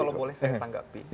kalau boleh saya tanggapi